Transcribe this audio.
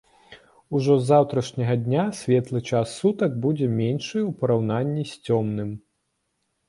Ужо з заўтрашняга дня светлы час сутак будзе меншым у параўнанні з цёмным.